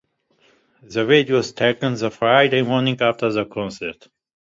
The video was taken the Friday morning after the concert.